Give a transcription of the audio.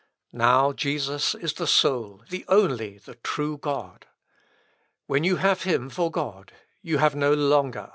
Now Jesus is the sole, the only, the true God. When you have him for God you have no longer other gods."